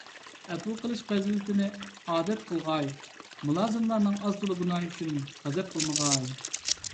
ئەپۇ قىلىش پەزىلىتىنى ئادەت قىلغاي، مۇلازىملارنىڭ ئاز - تولا گۇناھى ئۈچۈن غەزەپ قىلمىغاي.